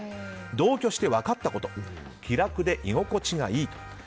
同居して分かったこと気楽で居心地がいいと。